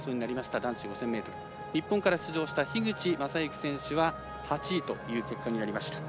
男子５０００ｍ日本から出場した樋口政幸選手は８位という結果になりました。